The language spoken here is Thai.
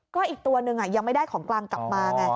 ก็อีกตัวหนึ่งยังไม่ได้ของกลางกลับมาไง